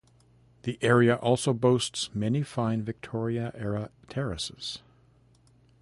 The area also boasts many fine Victorian-era terraces.